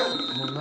何？